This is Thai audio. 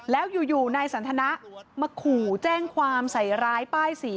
แล้วอยู่นายสันทนะมาขู่แจ้งความใส่ร้ายป้ายสี